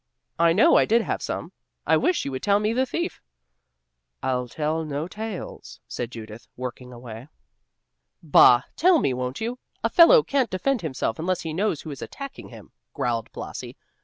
I know I did have some; I wish you would tell me the thief." "I'll tell no tales," said Judith, working away. "Bah! tell me, won't you? A fellow can't defend himself unless he knows who is attacking him," growled Blasi.